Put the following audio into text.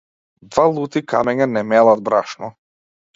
Два лути камења не мелат брашно.